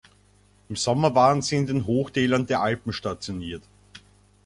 Im Sommer waren sie in den Hochtälern der Alpen stationiert.